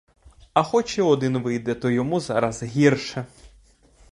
А хоч і один вийде, то йому зараз гірше.